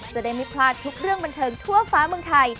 จะได้ไม่พลาดทุกเรื่องบันเทิงทั่วฟ้าเมืองไทย